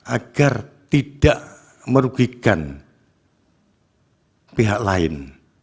agar tidak merugikan pihak lain